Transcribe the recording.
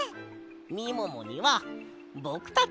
みももにはぼくたちがいるだろ！